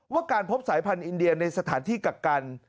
ว่าการพบสายพันธ์อินเดียในสถานที่กักกัน